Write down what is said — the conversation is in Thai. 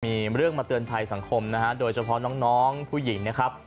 มีเรื่องมาเตือนภัยสังคมนะฮะโดยเฉพาะน้องผู้หญิงนะครับ